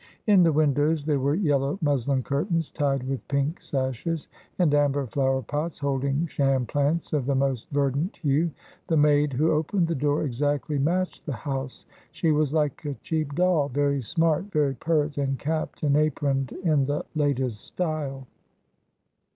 In the windows there were yellow muslin curtains tied with pink sashes, and amber flower pots holding sham plants of the most verdant hue. The maid who opened the door exactly matched the house. She was like a cheap doll, very smart, very pert, and capped and aproned in the latest style.